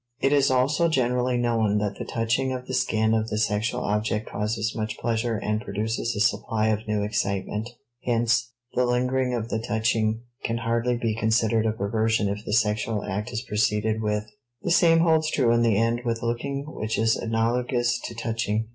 It is also generally known that the touching of the skin of the sexual object causes much pleasure and produces a supply of new excitement. Hence, the lingering at the touching can hardly be considered a perversion if the sexual act is proceeded with. The same holds true in the end with looking which is analogous to touching.